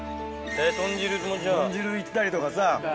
豚汁いったりとかさ。